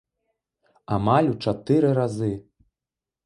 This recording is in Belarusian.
Амаль у чатыры разы!